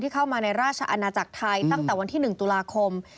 เข้ามาในราชอาณาจักรไทยตั้งแต่วันที่๑ตุลาคม